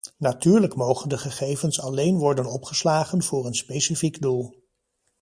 Natuurlijk mogen de gegevens alleen worden opgeslagen voor een specifiek doel.